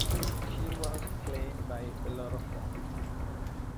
She was slain by Bellerophon.